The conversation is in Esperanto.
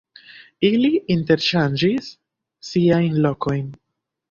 Ili interŝanĝis siajn lokojn.